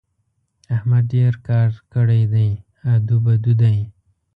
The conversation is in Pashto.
احمد ډېر کار کړی دی؛ ادو بدو دی.